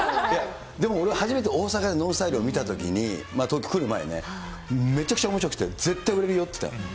でも俺は初めて大阪でＮＯＮＳＴＹＬＥを見たときに、東京来るのよね、めちゃくちゃおもしろくて、絶対売れるよって言ったの。